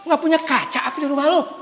gak punya kaca apa di rumah lo